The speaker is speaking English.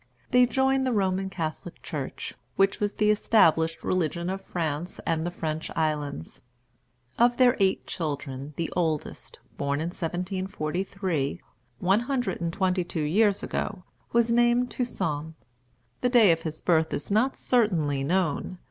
They joined the Roman Catholic Church, which was the established religion of France and the French islands. Of their eight children, the oldest, born in 1743, one hundred and twenty two years ago, was named Toussaint. The day of his birth is not certainly known.